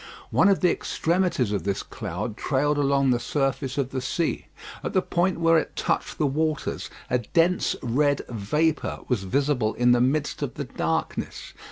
One of the extremities of this cloud trailed along the surface of the sea. At the point where it touched the waters, a dense red vapour was visible in the midst of the darkness.